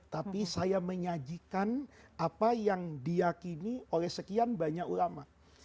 tapi saya menyajikan apa yang diakini oleh sekian banyak ulama